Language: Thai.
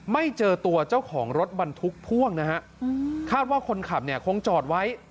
ไม่เจอตัวเจ้าของรถบรรทุกพ่วงนะฮะคาดว่าคนขับเนี่ยคงจอดไว้